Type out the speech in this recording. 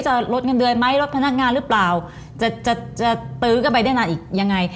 จะลดเงินเดือนไหมลดพนักงานหรือเปล่าจะจะตื้อกันไปได้นานอีกยังไง